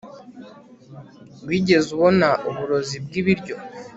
wigeze ubona uburozi bwibiryo